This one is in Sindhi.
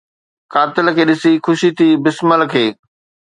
قاتل کي ڏسي خوشي ٿي بسمل کي